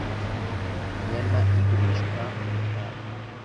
inyana igurishwa mu mitako